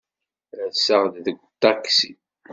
Rseɣ-d seg uṭaksi.